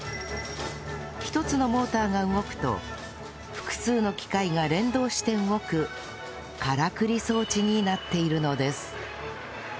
１つのモーターが動くと複数の機械が連動して動くからくり装置になっているのです